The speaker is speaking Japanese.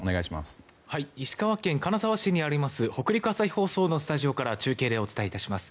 石川県金沢市にある北陸朝日放送のスタジオから中継でお伝えします。